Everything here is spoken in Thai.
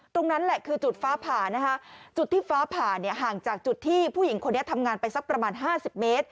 ตรงนั้นแหละคือจุดฟ้าผ่านะคะจุดที่ฟ้าผ่าเนี่ยห่างจากจุดที่ผู้หญิงคนนี้ทำงานไปสักประมาณ๕๐เมตร